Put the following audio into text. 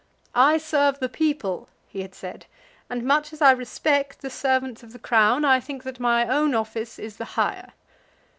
"I serve the people," he had said, "and much as I respect the servants of the Crown, I think that my own office is the higher."